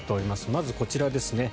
まず、こちらですね。